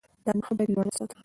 دا نښه باید لوړه وساتو.